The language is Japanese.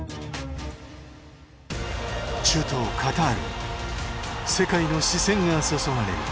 中東カタールに世界の視線が注がれる。